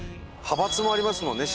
派閥もありますもんね